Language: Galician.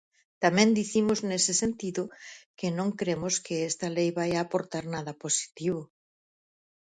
Tamén dicimos nese sentido que non cremos que esta lei vaia aportar nada positivo.